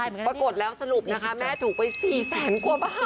ปรากฏแล้วสรุปนะคะแม่ถูกไป๔แสนกว่าบาท